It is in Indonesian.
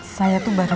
saya tuh baru